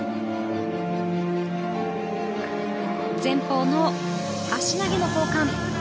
前方の足投げの交換。